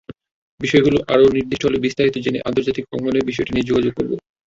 বিষয়গুলো আরও নির্দিষ্ট হলে বিস্তারিত জেনে আন্তর্জাতিক অঙ্গনে বিষয়টি নিয়ে যোগাযোগ করব।